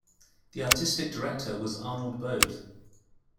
The artistic director was Arnold Bode.